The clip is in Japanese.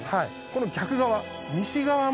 この逆側。